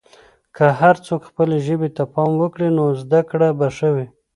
که هر څوک خپلې ژبې ته پام وکړي، نو زده کړه به ښه وي.